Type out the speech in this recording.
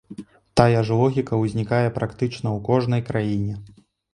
Тая ж логіка ўзнікае практычна ў кожнай краіне.